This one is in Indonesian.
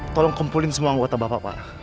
tolong kumpulin semua anggota bapak pak